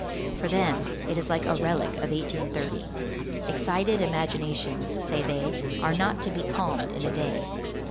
For them, it is like a relic of 1830. Excited imaginations, say they, are not to be calmed in a day.